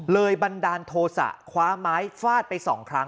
บันดาลโทษะคว้าไม้ฟาดไปสองครั้ง